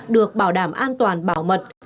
được bảo đảm an toàn bảo mật